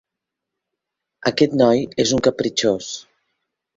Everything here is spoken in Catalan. Aquest noi és un capritxós.